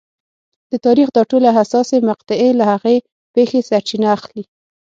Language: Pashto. د تاریخ دا ټولې حساسې مقطعې له هغې پېښې سرچینه اخلي.